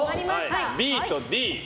ＢとＤ。